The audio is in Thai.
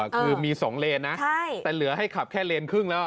คือมี๒เลนนะแต่เหลือให้ขับแค่เลนครึ่งแล้ว